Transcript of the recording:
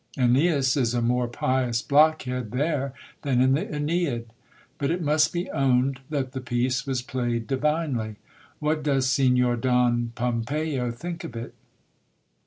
Eneas is a more pious blockhead there than in the Eneid. But it must be owned that the piece was played divinely. What does Signor Don Pompeyo think of it